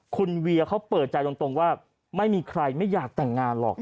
คุณเวียเขาเปิดใจตรงว่าไม่มีใครไม่อยากแต่งงานหรอก